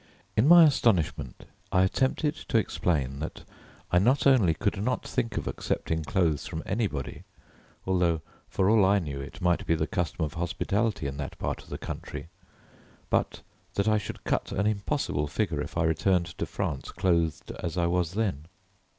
In my astonishment I attempted to explain that I not only could not think of accepting clothes from anybody, although for all I knew it might be the custom of hospitality in that part of the country, but that I should cut an impossible figure if I returned to France clothed as I was then.